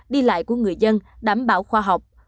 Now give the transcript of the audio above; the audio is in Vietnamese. đi lại của người dân đảm bảo khoa học